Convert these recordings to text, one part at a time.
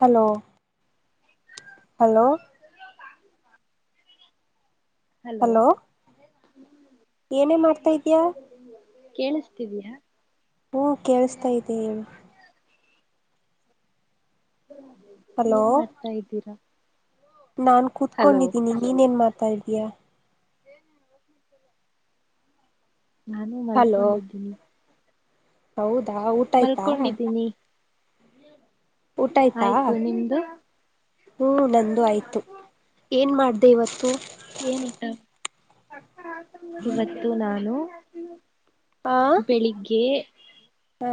Hello. Hello. Hello. ಏನೇ ಮಾಡ್ತಾ ಇದ್ಯಾ. ಕೇಳಿಸತಿದ್ಯಾ. ಹ್ಮ ಕೇಳಿಸತಾ ನ. ಹಲೋ ಏನ್ ಮಾಡ್ತಾ ಇದ್ದೀರಾ. ನಾನು ಹಲೋ ಕೂತ್ಕೊಂಡಿದ್ದೀನಿ ನೀನೇನು ಮಾತಾಿದೀಯಾ. ನಾನು ಹಲೋ ಮಲ್ಕೊಂಡಿದ್ದೀನಿ. ಹೌದಾ ಊಟ ಆಯ್ತಾ. ಮಲ್ಕೊಂಡಿದ್ದೀನಿ ಊಟ ಆಯ್ತಾ ಆಯ್ತು ನಿಮ್ದು ಹ್ಮ ನಂದು ಆಯ್ತು ಏನ್ ಮಾಡ್ದ. ದವಸ್ತು ಏನಿಟ್ಟೆ ಇವತ್ತು ನಾನು. ಆ ಬೆಳಿಗ್ಗೆ ಹಾ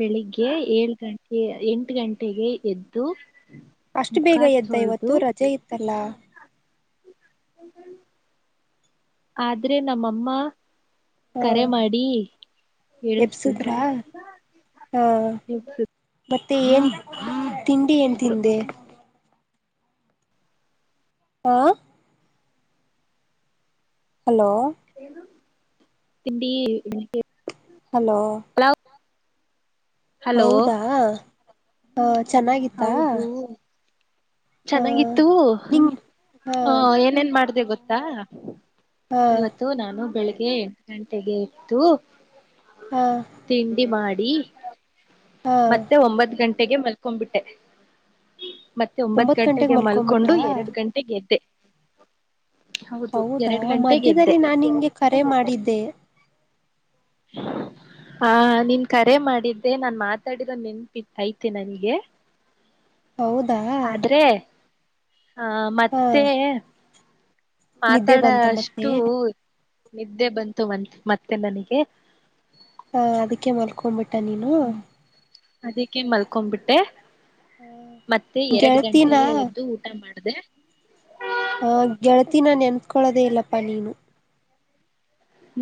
ಬೆಳಿಗ್ಗೆ. ಏಳ್ು ಗಂಟೆ ಎಂಟು ಗಂಟೆಗೆ ಎದ್ದು. ಅಷ್ಟು ಮುಖ ಬೇಗ ಎದ್ದ ಇವತ್ತು ತೊಳೆದು ರಜೆ ಇತ್ತು. ಇತ್ತಲ. ಆದ್ರೆ ನಮ್ಮಮ್ಮ. ಹಾ ಕರೆ ಮಾಡಿ ಹೇಳಳ್ಿಸಬಿಟರು. ಎಬ್ಸುದ್ರಾ ಹಾ ಮತ್ತೆ ಏನ್ ತಿಂಡಿ ಏನ್ ತಿಂದೆ. ಹಾ. ಹಲೋ. ತಿಂಡಿ. ಹಲೋ. ಪಲಾವ್. ಹಲೋ ಹೌದಾ. ಹ. ಚೆನ್ನಾಗಿತ್ತಾ. ಹೌದು ಹ ಚೆನ್ನಾಗಿತ್ತು ನಿಂಗ್ ಹಾ ಹ ಏನೇನ್ ಮಾಡ್ದ ಗೊತ್ತಾ ಹಾ ಇವತ್ತು ನಾನು ಬೆಳ. ಎಂಟು ಗಂಟೆಗೆ ಇತ್ತು. ಹಾ ತಿಂಡಿ ಮಾಡಿ. ಅಡಿ. ಹಾ ಮತ್ತೆ ಒಂಬತ್ ಗಂಟೆ ತೆಗೆ ಮಲ್ಕೊ್ಬಿಟ್ಟೆ ಮತ್ತೆ ಒಂಬತ್ ಗಂಟೆಗೆ ಮಲ್ಕೊಂಡು ಎರಡು ಗಂಟೆಗೆ ಎದ್ದೆ ಹೌದು ಹೌದಾ ಎರಡ್ ಗಂಟೆಗೆ ಎದ್ದೆ ಮಧ್ಯದಲ್ಲಿ ನಾನ್ ಹಂಗೆ ಕರೆ ಮಾಡಿದ್ದೆ ಹ ನಿನ್ ಕರೆ ಮಾಡಿದ್ದೆ ನಾನ್ ಮಾತಾಡರ ನೆನ್ಪಿಐತೆ ನನ್ಗೆ ಹೌದಾ ಹಾ ಹಾ ಮತ್ತೆ ನಿದ್ದೆ ಮಾತಾಡ ಬಂತ ಮತ್ತೆ ಅಷ್ಟು ನಿದ್ದೆ ಬಂತು ಮ ಮತ್ತೆ ನನಗೆ ಹಾ ಅದಕ್ಕೆ ಮಲ್ಕೊಂಬಿಟ್ಟಿ ಆತ ನೀನು ಅದಕ್ಕೆ ಮಲ್ಕೊಂಬಿಟ್ಟೆ ಮತ್ತೆ ಎರಡು ಗೆಳತಿನ ಗಂಟೆಗೆ ಎದ್ದು ಊಟ ಮಾಡ ಅದೇ ಆ ಗೆಳತಿ ನಾ ನೆನ್ತ್ಕೊೊಳ್ಳೋದೇ ಇಲ್ಲಪ್ಪ ನೀನು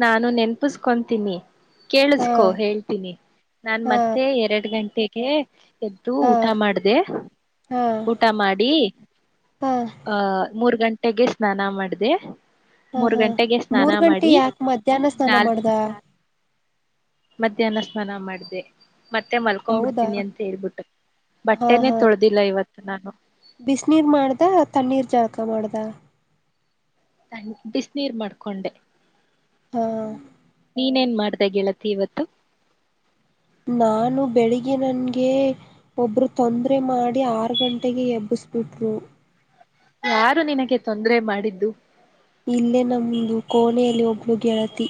ನಾನು ನೆನಪಿಸಕೊಂತೀನಿ ಹಾ ಕೇಳಿಸಕೊ ಹೇಳ್ತೀನಿ ನಾನ್ ಹಾ ಮತ್ತೆ ಎರಡ್ ಗಂಟೆ ಕೆ ಎದ್ದು ಹಾ ಊಟ ಮಾಡ್ದೆ. ಹಾ ಊಟ ಮಾಡಿ ಹಾ ಆ ಮೂರು ಗಂಟ್ ಟ್ಟೆಗೆ [unintelligible] ಸ್ನಾನ ಮಾಡಿದೆ. ಹಾ ಹಾ, ಮೂರ್ ಗಂಟೆ ಯಾಕ ಮಧ್ಯಾಹ್ನ ಸ್ನಾನ ನಾಲ್ ಮಾಡ್ದ? ಮಧ್ಯಾಹ್ನ ಸ್ನಾನ ಮಾಡ್ದೆ. ಮತ್ತೆ ಹೌದಾ, ಮಲ್ಕೊಬಿಡ್ತೀನಿ ಅಂತ ಹೇಳ್ಬಿಟ್ಟು ಹಾ ಬಟ್ಟೆನೇ ಹಾ, ತೊಳ್ದಿಲ್ಲ ಇವತ್ತು ನಾನು ಬಿಸನೀರ್ ಮಾಡ್ದ? ತಣ್ಣೀರ್ ಜಳಕ ಮಾಡ್ದ ತ್ತ [unintelligible] [unintelligible] ಬಿಸ್ ನೀರ್ ಮಾಡ್ಕೊಂಡೆ. ಹಾ ನೀನೇನ್ ಮಾಡ್ [unintelligible] [unintelligible] ಗೆಳತಿ ಇವತ್ತು ನಾನು ಬೆಳಿಗ್ಗೆ ನನ್ಗೆ, ಒಬ್ಬರು ತೊಂದರೆ ಮಾಡಿ ಆರ್ ಗಂಟೆಗೆ ಎಬ್ಬಿಸ್ಬುಟ್ರು. ಯಾರು ನಿನಗೆ ತೊಂದರೆ ಮಾಡಿದ್ದು? ಇಲ್ಲೇ ನಮ್ದು ಕೋಣೆಯಲ್ಲಿ ಒಬ್ಳು ಗೆಳತಿ.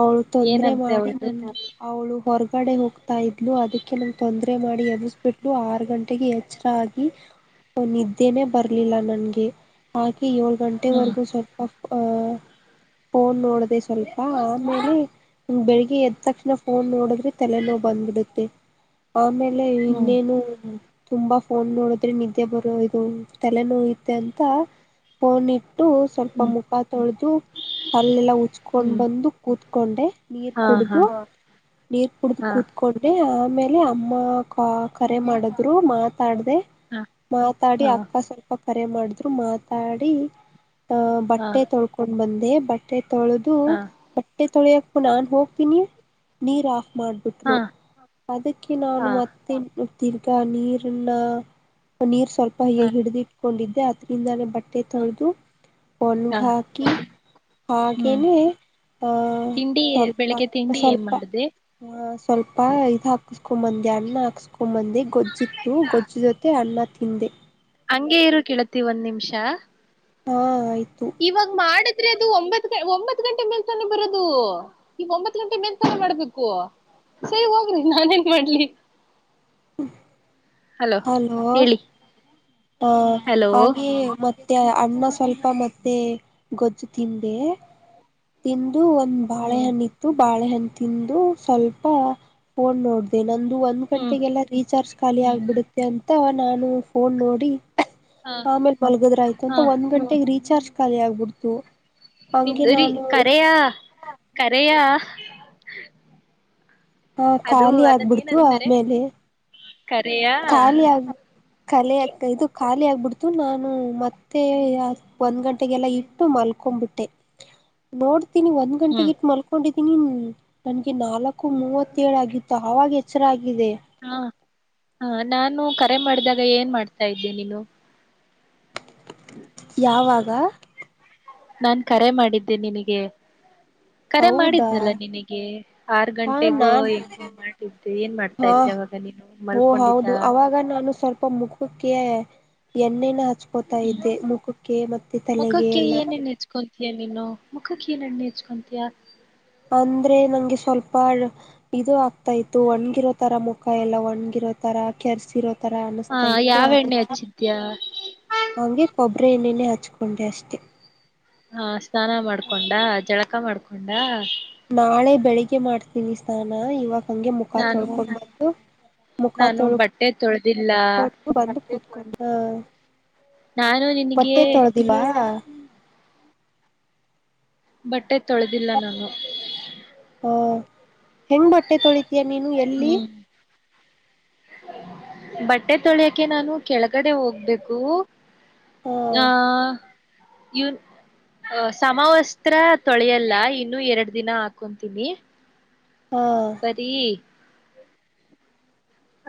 ಅವಳ್ ತೊಂದ್ರೆ ಏನಂತೆ ಮಾಡಿ ಅವಳ್ದು ನನ್ನ, ಅವಳು ಹೊರಗ [unintelligible] ಗಡೆ ಹೋಗ್ತಾ ಇದ್ಲು. ಅದಕ್ಕೆ ನಂಗೆ ತೊಂದರೆ ಮಾಡಿ ಎಬ್ಬಿಸ್ಬಿಟ್ಲು, ಆರು ಗಂಟೆಗೆ ಎಚ್ಚರ ಆಗಿ ನಿದ್ದೇನೆ ಬರ್ಲಿಲ್ಲ ನನ್ಗೆ. [unintelligible] ಏಳು ಹ್ಮ್ ಗಂಟೆವರೆಗೂ ಸ್ವಲ್ಪ [unintelligible] ಫೋನ್ ನೋಡದೆ ಸ್ವಲ್ಪ ಮೇಲೆ, ಬೆಳಿಗ್ಗೆ ಎದ್ ತಕ್ಷಣ ಫೋನ್ ನೋಡದ್ರೆ ತಲೆನೋವ್ ಬಂದ್ಬಿಡುತ್ತೆ. ಆಮೇಲೆ ಹ್ಮ್ ಇನ್ನೇನು ತುಂಬಾ ಫೋನ್ ನೋಡದ್ರೆ ನಿದ್ದೆ ಬರೋ ಇದು, ತಲೆ ನೋಯುತ್ತೆ ಅಂತ ಫೋನ್ ಇ [unintelligible] ಟ್ಟು ಸ್ವಲ್ಪ ಹ್ಮ್ ಮುಖ ತೊಳೆದು, ಹಲ್ಲೆಲ್ಲ ಉಜ್ಕೊಂಡು ಹ್ಮ್ ಬಂದು ಕುತ್ಕೊಂಡೆ ನೀರ್ ಹಾ ಹಾ ಕುಡ್ದು, ನೀರ್ ಕುಡ್ದ ಹಾ ಕೂತ್ಕೊಂಡೆ [unintelligible] ಮೇಲೆ ಅಮ್ಮ ಕಾ ಕರೆ ಮಾಡಿದ್ರು ಮಾತ್ ಮಾತಾಡ್ದೆ. ಮಾತಾಡಿ ಹಾ ಅಕ್ಕ ಸ್ವಲ್ಪ ಕರೆ ಮಾಡುದ್ರು ಮಾತಾಡಿ ಹಾ ಬಟ್ಟೆ ತೊಳ್ಕೊಂಡ್ ಬಂದ್ ೇ [unintelligible] ಬಟ್ಟೆ ತೊಳದು ಹಾ ಹಾ [unintelligible] ಟ್ಟೆ ತೊಳೆಯಾಕು ನಾನ್ ಹೋಗ್ತೀನಿ, ನೀರ್ ಆಫ್ [unintelligible] ಹಾ ಮಾಡಬುಟ್ರು. ಹಾ ಅದಕ್ಕೆ ನಾನು ಹಾ ಮತ್ತೆ ತಿರಗ ಆ ನೀರನ್ನ, ಪನೀರ್ [unintelligible] ಸ್ವಲ್ಪ ಹಯ ಹಾ ಹಿಡಿದಿ [unintelligible] ಕೊಂಡಿದ್ದೆ, ಅದರಿಂದನೆ ಬ [unintelligible] [unintelligible] ಟ್ಟೆ ತೊಳದು ಒಣಗ ಹಾಕಿ, ಹ್ಮ್ ಹಾಗೇನೆ ಹ ತಿಂಡಿ ಸ್ವಲ್ಪ ಬೆಳಿಗ್ಗೆ ತಿಂಡಿ ಏನ್ ಸ್ವಲ್ಪ ಮಾಡ್ದೆ ಹ ಸ್ವಲ್ಪ ಇದ್ ಹಾ ಹಾಕ್ಸ್ಕೊಬಂದೆ ಅನ್ನ ಹಾಕ್ಸ್ಕೊಂಬಂದೆ ಗೊಜ್ಜಿತ್ತು ಗೊಜ್ಜ ಜೊತೆ ಅನ್ನ ತಿಂದೆ ಹಂಗೇ ಇರು ಕೇಳತಿ ಒಂದ್ ನಿಮಿಷ ಹಾ ಆಯ್ ಇವಾಗ್ ಮಾಡದ್ ದ್ರೆ ಅದು ಒಂಬತ್ ಒಂಬತ್ ಗಂಟೆ ಮೇಲ್ತಾನೆ ಬರದು ಈ ಒಂಬತ್ ಗಂಟೆ ಮೇಲ್ತಾನ ಮಾಡ್ಬೇಕು ಸರಿ ಹೋಗ್ರಿ ನಾನ ಎನ್ ಮಾಡ್ಲಿ ಹಲೋ ಹೇಳಿ ಆ ಹಲೋ ಹಾಗೆ ಮತ್ ಮತ್ತೆ ಅನ್ನ ಸ್ವಲ್ಪ ಮತ್ತೆ ಗೊಜ್ಜು ತಿಂದೆ ತಿನ್ ಇದು ಒಂದ್ ಹ್ಮ್ ಬಾಳೆಹಣ್ಣ ಇತ್ತು ಬಾಳೆಹಣ್ ತಿಂದು ಸ್ವಲ್ಪ ಫೋನ್ ನೋಡ್ದೆ ನನ್ ಒಂದ್ ಹ್ಮ್ ಗಂಟೆಗೆಲ್ಲಾ ರೀಚಾರ್ಜ್ ಖಾಲಿ ಹ್ಮ್ ಹ್ಮ್ ಆಗ್ಬಿಡುತ್ತೆ ಅಂ ಅಥವಾ ನಾನು ಫೋನ್ ನೋಡಿ ಹ ಆಮೇಲೆ ಮಲ್ಗದ್ರ ಆಯ್ತು ಅಂತ ಹ ಒಂದ್ ಗಂಟೆಗೆ ರೀಚಾರ್ಜ್ ಖಾಲಿ ಆಗ್ಬಿಡ್ತು ಹಂಗೆ ನಿಮ್ದರಿ ನಾನು ಕರೆಯ ಕರೆಯ ಹಾ ಹಾ ಖಾಲಿ ಆಗ್ಬಿಡ್ತು ಆಮೇಲೆ ಕರೆಯಾ ಖಲೆ ಇದು ಖಾಲಿ ಆಗ್ಬಿಡ್ತು ನಾನು ಮತ್ತೆ ಒಂದ್ ಗಂಟೆಗೆಲ್ಲ ಇಟ್ಟು ಮಲ್ಕೊಬಿಟ್ಟೆ ನೋಡ್ ತಿನಿ ಒಂದ್ ಹ್ಮ್ ಗಂಟೆಗೆಲ್ಲ ಮಲ್ಕೊಂಡಿದ್ ಇನಿನ್ ನನಗೆ ನಾಲ್ಕ ಕು ಮೂವತ್ತೇಳ ಆಗಿತ್ತ ಅವಾಗ್ ಎಚ್ಚರಾಗ್ ಇದೆ ಹಾ ನಾನು ಕರೆ ಮಾಡ್ದಾಗ ಏನ್ ಮಾಡ್ತಾ ಇದ್ದೆ ನೀನು ಯಾವಾಗ್ ವಾ ನಾನ್ ಕರೆ ಮಾಡಿದ್ದೆ ನಿನಿಗೆ ಕರೆ ಹೌದಾ ಮಾಡಿದ್ನಲ್ಲ ನಿನಿಗೆ ಆರ್ ಹಾ ಗಂಟೆಗೋ ನಾನ್ ಹೆಂಗೋ ಮಾಡ್ತಿದ್ದೆ ಏನ್ ಮಾಡ್ತಾ ಹಾ ಇದ್ದೆ ಅವಾಗ ನೀನು ಓ ಮಲ್ಕೊಂಡಿದ್ದ ಹೌದು ಅವಾಗ ನಾನು ಸ್ವಲ್ಪ ಮುಖಕ್ಕೆ ಎಣ್ಣೆನ ಹ ಹಚ್ಕೋತಾ ಹ್ಮ್ ಇದ್ದೆ ಮುಖಕ್ಕೆ ಮತ್ತೆ ತಲೆಗೆ ಎಲ್ಲ ಯ ನೀನು ಮುಖಕ್ಕ ಏನ್ ಎಣ್ಣೆ ಹಚ್ಕೊತಿಯಾ ಅಂದ್ರೆ ನಂಗೆ ಸ್ವಲ್ಪ ಇದು ಆಗ್ತಾ ಇತ್ತು ಒಣ್ಗಿರೋ ತರ ಮುಖ ಎಲ್ಲ ಒಣಗಿರೋ ತರ ಕೆರ್ಸಿರೋ ತರ ಹ ಅನಿಸ್ತಾ ಇತ್ತು ಯಾವ ಆದ್ರ ಎಣ್ಣೆ ಹಚ್ಚಿದ್ಯಾ ಹಂಗೆಬ್ ಟ್ರೇನಿನೇ ಹಚ್ಕೊಂಡೆ ಅಷ್ಟೇ ಹಾ ಸ್ನಾನ ಮಾಡ್ಕೊಂಡ ಜಳಕ ಮಾಡ್ಕೊಂಡ ಕೊಂಡಾ ನಾಳೆ ಬೆಳಿಗ್ಗೆ ಮಾಡ್ತೀನಿ ಸ್ನಾನ ಇವಾಗ ಹಂಗೆ ಮುಖ ನಾನು ತೊಳ್ಕೊಂಡು ಬಂದು ಮುಖ ನಾನು ತೊಳ್ ಬಟ್ಟೆ ತೊಳೆದಿಲ್ಲ ಕಂತ [unintelligible] ನಾನು ನಿನಗೆ ಬಟ್ಟೆ ತೊಳ್ದಿಲ್ಲಾ ಬಟ್ಟೆ ತೊಳೆದಿಲ್ಲ ನಾನು ಹ ಹೆಂಗ್ ಬಟ್ಟೆ ತೊಳಿ ನೀನು ಎಲ್ಲಿ ಹ್ಮ್ ಬಟ್ಟೆ ತೊಳಿಯಕೆ ನಾನು ಕೆಳಗಡೆ ಹೋಗ್ಬೇಕು ಹ ಹಾ ಇವನ್ ಸಮವಸ್ತ್ರ ತೊಳೆಯಲ್ಲ ಇನ್ನು ಎರಡ್ ದಿನ ಹಾಕೊಂತೀನಿ ಹಾ ಬರೀ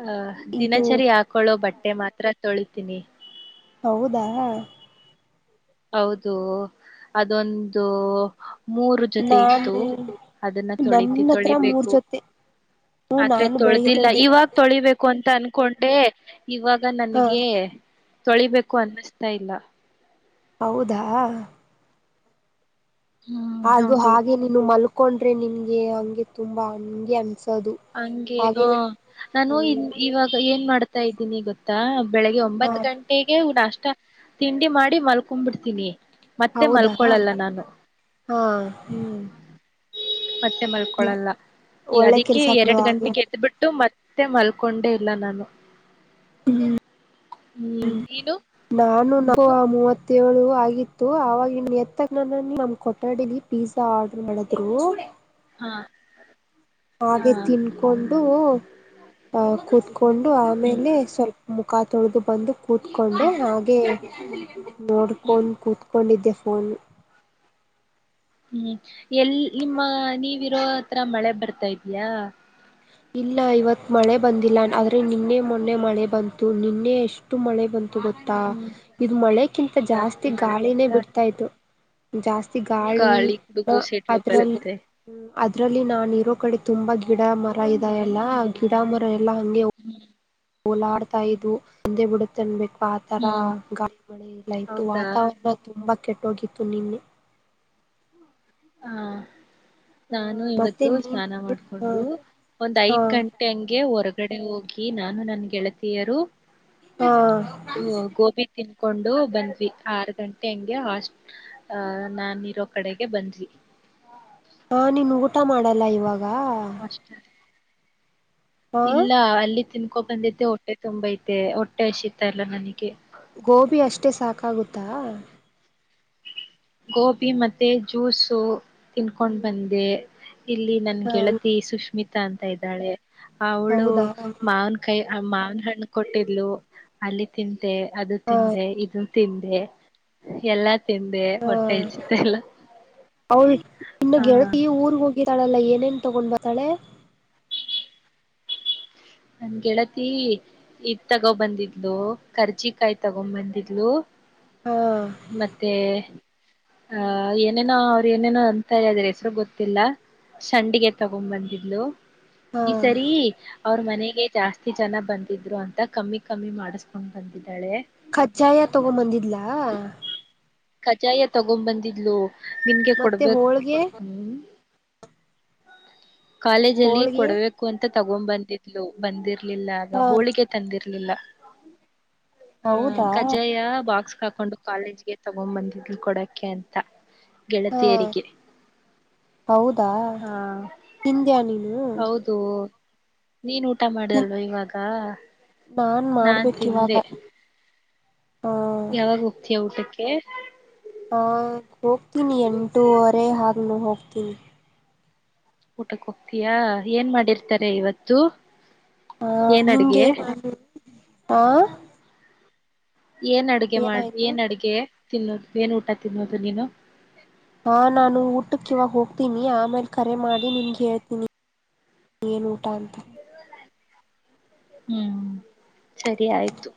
ಅ ಇದು ದಿನಚರಿ ಹಾಕೊಳ್ಳೋ ಬಟ್ಟೆ ಮಾತ್ರ ತೊಳಿ ತಿನಿ ಹೌದಾ ಹೌದು ಅದೊಂದು ಮೂರು ಜೊತೆ ನಾನು ಇತ್ತು ಅದನ್ನ ತೊಳಿ ನನ್ನ ಹತ್ರ ಮೂರ್ ತೊಳಿಬೇಕು ಜೊತೆ ಹ್ಮ ಆದ್ರೆ ನಾನು ಬೆಳಿಗ್ಗೆ ತೊಳೆದಿಲ್ಲ ತೊಳ್ದಿ ಇವಾಗ ತೊಳಿಬೇಕು ಅಂತ ಅನ್ಕೊಂಡೆ. ಇವಾಗ ಹ ನನಗೆ. ತೊಳಿಬೇಕು ಅನ್ನಿಸ್ತಾ ಇಲ್ಲ. ಹೌದಾ. ಹ್ಮ್ ಅದು ಹೌದು ಹಾಗೆ ನೀನು ಮಲ್. ಕೊಂಡ್ರೆ ನಿನ್ಗೆ ಹಂಗೆ ತುಂಬಾ ಹಂಗೆ ಅನ್ಸೆ. ಹಂಗೆ ಆ ನಾನು ಹ್ಮ್ ಇನ್ ಇವಾಗ ಏನ್ ಮಾಡ್ತ. ಗೊತಾ ಇದ್ದೀನಿ ಗೊತ್ತಾ. ಬೆಳಗ್ಗೆ ಹ ಒಂಬತ್ತು ಗಂಟೆಗೆ ಹ ಅಷ್ಟ. ತಿಂಡಿ ಮಾಡಿ ಮಲ್ಕೊಂಡು ಬಿಡ್ತಿವಿ ಮತ್ತೆ ಹೌದಾ ಮಲ್ಕೊಳಲ್ಲ ಹಾ ನಾನು ಹ್ಮ್. ಮತ್ತೆ ಮಲ್ಕೊಳಲ್ಲ ಈ ಒಳ್ಳೆ ಅದಿ. ಕೆಲ್ಸ ಬಿಡು ಎರಡು ಹಾಗೆ ಗಂಟೆಗೆ ಎದ್ಬಿಟ್ಟು ಮತ್ತೆ. ಮತ್ತೆ ಮಲ್ಕೊಂಡೆ ಇಲ್ಲ ನಾನು. ಹ್ಮ ಹ್ಮ್ ನೀನು ನಾನು ನ ಮೂವತ್. ಏಳು ಆಗಿತ್ತು ಆವಾಗಿನ್ನು ಎತ್ತಗ್ ನ ನಮ್ಮ ಕೊಠಡಿಲಿ ಪಿಜಾ ಆರ್ಡರ್ ಮಾಡಿದ್ರು. ಹಾ. ಹಾ ಹಾಗೆ ತಿನ್ಕೊಂಡು ಆ ಕುತ್ಕೊಂಡು ಹ್ಮ್ ಆಮೇಲೆ ಸ್ವಲ್ಪ ಮು. ಕಾ ತೊಳೆದು ಬಂದು. ಕೂತ್ಕೊಂಡೆ ಹ್ಮ್ ಹಾಗೇ. [inaudible] [unintelligible] ಹ್ಮ್ ನೋಡ್ಕೋಣ ಕುತ್. [inaudible] ಫೋನ್ ಹ್ಮ್. ಎಲ್ಲಿ ನಿಮ್ಮ ನೀವ. ಇತ್ರರ ಮಳೆ ಬರ್ತಾ ಇದ್ಯಾ ಇಲ್ಲ ಇವತ್ ಮಳೆ ಬಂದಿಲ್ಲ ಆದ್ರೆ ನಿನ್ನೆ ಮೊನ್ನೆ ಮಳೆ ಬಂತು ನಿನ್ನೆ ಎಷ್ಟು ಮಳೆ ಬಂತ. ಗೊತ್ತಾ ಹ್ಮ್ ಇದು ಮಳೆಕ್ಕಿಂತ ಜಾಸ್ತಿ ಮಳೆ ಗಾಳಿನೇ ಅಂತ ಬಿಡ್ತಾ ಇ್ತತ್ತು. ಜಾಸ್ತಿ ಗಾಳಿ ಗುಡುಗು ಸಿಡ್ಲು ಅದ್ರ. ಬರುತ್ತೆ ಅದ್ರಲ್ಲಿ ನಾನು ಇರೋ ಕಡೆ ತುಂಬಾ ಗಿಡ ಮರ. ಇದೆ ಎಲ್ಲಾ ಗಿಡ ಮರ ಎ. ಲ್ಲ ಹಂಗೆ ಅವ. ಓಲಾಡ್ತಾ ಇದ್ವು ಬಿದ್ದೆ ಬಿಡುತ್ತನ್ಬೇಕು. ಆ ತರ ಹ್ಮ್ ಗಾಳಿ ಮಳೆಯಲ್ಲ ಇತ್ತು ಹೌದಾ ವಾತಾವರಣ ತುಂಬಾ ಕೆಟ್ಟ. ಹೋಗಿತ್ತು ನಿನ್ನೆ. ಹಾ. ಆ ನಾನು ಮತ್ತೆ ಇವತ್ತು ನೀನ್ ಸ್ನಾನ ಹಾ ಮಾಡ್ಕೊಂಡು ಒಂದ್ ಐದ್ ಹಾ ಗಂಟೆ ಹಂಗೆ ಹೊರಗ್. ಹೊಗಡೆ ಹೋಗಿ ನಾನು ನನ್ನ ಗೆಳತಿಯರು. ಹಾ. ಕೊಂಡು ಬಂದ್ವಿ ಆರು ಗಂಟೆ ಹಂಗೆ ಹಾಸ್ಟ್ ಅಹ ನಾನಿರೋ ಕಡೆಗೆ ಬಂದ್ವಿ. ಹಾ ನೀನ್ ಊಟ ಮಾಡಲ್ಲ ಇವಾಗ. ವಾ. ಅಷ್ಟ ಇಲ್ಲ ಅಲ್ಲಿ ತಿನ್ಕ. ಕೋಕ್ ತಂದಿದ್ದೆ ಹೊಟ್ಟೆ ತುಂಬ ಐತೆ ಹೊಟ್ಟೆ ಹಸಿತ ಇಲ್ಲ ನನಗೆ. ಗೋಬಿ ಅಷ್ಟೇ ಸಾಕಾಗುತ್ತಾ. ಗೋಬಿ ಮತ್ತೆ ಜ್ಯೂಸು. ತಿನ್ಕೊಂಡು ಬಂದೆ. ಇಲ್ಲಿ ನನ್ ಹಾ ಗೆಳತಿ ಸುಷ್ಮಿತ. ತಂತಾ ಇದ್ದಾಳೆ. ಅವಳು ಹೌದಾ ಮಾವನಕಾಯಿ ಅ ಮಾವನ್ ಹಣ್ಣ ಕೊಟ್ಟಿದ್ಲು ಅಲ್ಲಿ ತಿನ್ ತಿಂದೆ ಅದು ಹಾ ತಿಂದೆ ಇದು ತಿಂದೆ ಎಲ್ಲ ತಿಂದೆ ಹಾ ಹೊಟ್ಟೆ ಹಚ್ಚುತ್ತೆ ಅವಳ ಇನ್ನ ಆ ಗೆಳತಿ ಊರ್ಗೆ ಹೋಗಿ ರ್ತಾಳಲ್ಲ ಏನೇನ್ ತಗೊಂಡ್ ಬರ್ತಾಳೆ. ನನ್ನ ಗೆೇಳತಿ ಇದ್ ತಗೋ ಬಂದಿದ್ಲು ಕರ್ಜಿಕಾಯಿ ತಗೊ ಬಂದಿದ್ಲು. ಹಾ ಮತ್ತೆ. ಆಹ ಏನೇನೊ ಏನೇನೋ ಅಂತ ಹೇಳಿ ಹೆಸರು ಗೊತ್ತಿಲ್ಲ ಸಂಡಿಗೆ ತಗೊಂಡ್ ಬಂದಿದ್ಲು ಹಾ ಈ ಸರಿ ಅವ್ರ ಮನೆಗೆ ಜಾಸ್ತಿ ಜನ ಬಂದಿದ್ರು ಅಂತ ಕಮ್ಮಿ ಕಮ್ಮಿ ಮಾಡಿಸಕೊಂಡ್ ಬಂದಿದ್ ಕಜ್ಜಾಯ ತಗೊಂಡು ಬಂದಿದ್ಲಾ. ಕಜ್ಜಾಯ ತಗೊಂಡು ಬಂದಿದ್ಲು. ನಿನ್ಗೆ ಮತ್ತೆ ಕೊಡ್ಬೇಕ ಹೋಳ್ಗೆ ಹ್ಮ. ಕಾಲೇಜ ಅಲ್ಲಿ ಹೋಳ್ಗೆ ಕೊಡಬೇಕು ಅಂತ ತಗೊಂದ ಬಂದಿದ್ಲು ಬಂದಿರಲ್ ಇಲ್ಲ ಆಗ ಹಾ ಹೋಳಿಗೆ ತಂದಿರ್ ಇಲ್ಲ. ಹಾ ಹೌದಾ ಕಜ್ಜಾಯ ಬಾಕ್ಸ್ ಹಾಕೊಂಡು ಕಾಲೇಜ್ಗೆ ತೊಗೊಂಡ ಬಂದಿದ್ಲು ಕೊಡಕೆ ಅಂತ ಹಾ ಗೆಳತಿಯರಿಗೆ ಹೌದಾ. ಆ ತಿಂದ್ಯಾ ನೀನು? ಹ [unintelligible] ನೀನ ಊಟ ತಿನ್ ಮಾಡ್ದಲ್ವ ಇವಾಗ? ನಾನ್ ನಾನ ಮಾಡ್ಬೇಕಿವಾಗ ತಿಂದೆ ಹಾ ಯಾವಾಗ ಹೋಗ್ತೀಯಾ ಊಟಕ್ಕೆ ಕ್ಕೆ ಹ ಹೋಗ್ತೀನಿ ಎಂಟೂವರೆ ಹಂಗ ಹೋಗ್ತೀನಿ ಊಟಕ್ಕೆ ಹೋಗ್ತೀಯಾ ಏನ್ ಮಾಡಿರ್ತಾರೆ ಇವತ್ತು? ಹ ಏನ್ ಅಡ್ಗೆ ನಿಂಗೆನ ಮಾಡ [inaudible] ಹ ಏನ್ ಅಡ್ಗೆ ಮಾಡ ಏನ್ ಅಡಿಗೆ? ತಿನ್ನೋದು ಏನ ಊಟ ತಿನ್ನೋದು ನೀನು? ಹಾ ನಾನು ಊಟಕ್ಕೆ ಇವಾಗ ಹೋಗ್ತೀನಿ ಆಮೇಲೆ ಕರೆ ಮಾಡಿ ನಿನ್ಗೆ ಹೇಳ್ತೀನಿ ಏನ್ ಊಟ ಅಂತ. ಹ್ಮ್. ಸರಿ ಆಯ್ತು.